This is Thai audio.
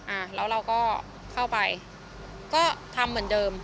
อ่าแล้วเราก็เข้าไปก็ทำเหมือนเดิม